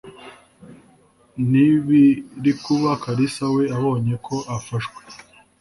nibirikuba kalisa we abonye ko afashwe